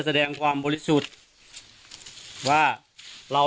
ข้าพเจ้านางสาวสุภัณฑ์หลาโภ